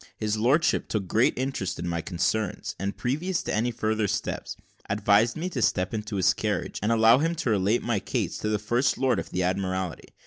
His lordship took great interest in my concerns; and, previous to any further steps, advised me to step into his carriage, and allow him to relate my case to the First Lord of the Admiralty.